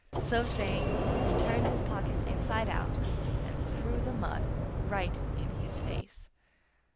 So saying, he turned his pockets inside out, and threw the mud right in his face.